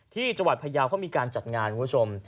ที่จังหวัดพยาวเขามีการจัดงานคุณผู้ชม